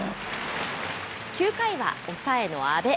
９回は抑えの阿部。